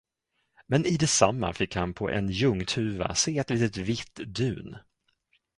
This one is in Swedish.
Men i detsamma fick han på en ljungtuva se ett litet vitt dun.